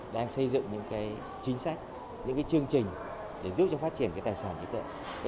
đang xây dựng những chính sách những chương trình để giúp cho phát triển cái tài sản trí tuệ